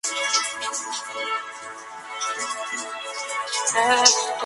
Es el mayor centro de información de su tipo en Europa.